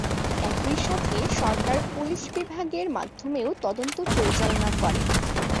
একই সাথে সরকার পুলিশ বিভাগের মাধ্যমেও তদন্ত পরিচালনা করে।